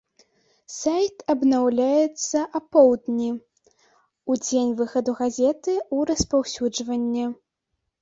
Сайт абнаўляецца апоўдні, у дзень выхаду газеты ў распаўсюджванне.